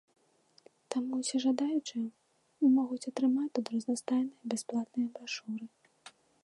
Таму ўсе жадаючыя могуць атрымаць тут разнастайныя бясплатныя брашуры.